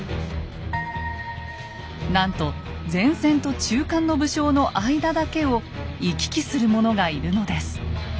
なんと前線と中間の武将の間だけを行き来する者がいるのです。